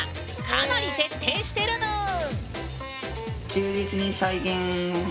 かなり徹底してるぬん！